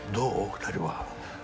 ２人は。